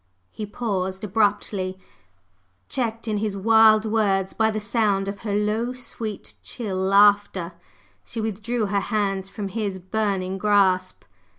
He paused, abruptly checked in his wild words by the sound of her low, sweet, chill laughter. She withdrew her hands from his burning grasp.